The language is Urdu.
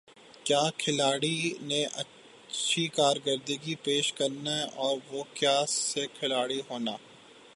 کَیا کھلاڑی نے اچھی کارکردگی پیش کرنا اور وُہ کَیا سے کھلاڑی ہونا